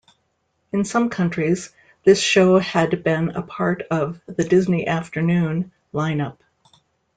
In some countries, this show had been a part of "The Disney Afternoon" lineup.